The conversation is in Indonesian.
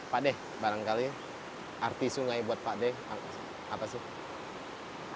pak deh barangkali arti sungai buat pak deh apa sih